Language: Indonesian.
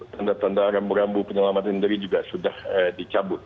tanda tanda rambu rambu penyelamatan sendiri juga sudah dicabut